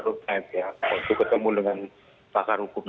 untuk ketemu dengan pakar hukum